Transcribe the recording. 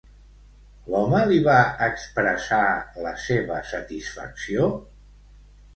L'home li va expressar la seva satisfacció?